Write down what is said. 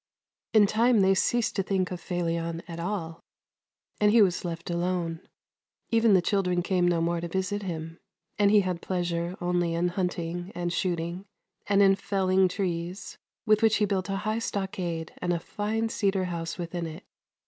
In time they ceased to think of Felion at all, and he was left alone ; even the children came no more to visit him, and he had pleasure only in hunting and shoot ing and in felling trees, with which he built a high stockade and a fine cedar house within it.